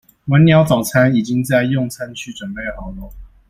晚鳥早餐已經在用餐區準備好囉